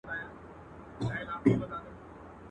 د مکار دښمن په کور کي به غوغا سي.